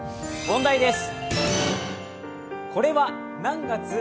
問題です。